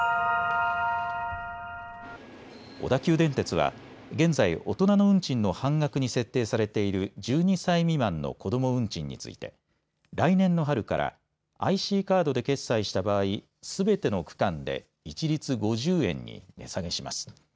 小田急電鉄は現在、大人の運賃の半額に設定されている１２歳未満の子ども運賃について来年の春からＩＣカードで決済した場合、すべての区間で一律５０円に値下げします。